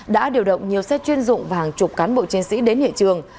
đã điều động nhiều xe chuyên dụng và hàng chục cán bộ chiến sĩ đến hiện trường